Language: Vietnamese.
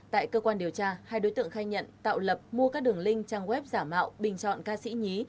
tại cơ quan điều tra hai đối tượng khai nhận tạo lập mua các đường link trang web giả mạo bình chọn ca sĩ nhí